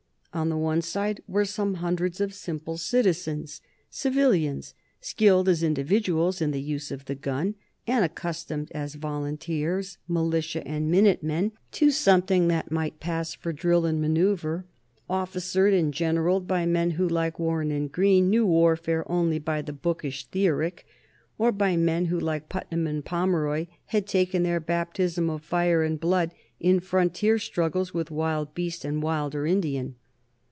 On the one side were some hundreds of simple citizens, civilians, skilled as individuals in the use of the gun, and accustomed as volunteers, militia, and minute men to something that might pass for drill and manoeuvre, officered and generalled by men who, like Warren and Greene, knew warfare only by the bookish theoric, or by men who, like Putnam and Pomeroy, had taken their baptism of fire and blood in frontier struggles with wild beast and wilder Indian.